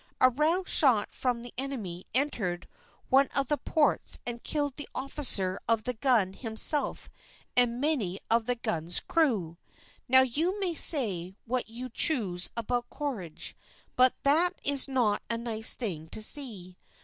A round shot from the enemy entered one of the ports and killed the officer of the gun himself and many of the gun's crew. Now you may say what you choose about courage, but that is not a nice thing to see.